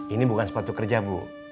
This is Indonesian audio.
ini bukan sepatu kerja bu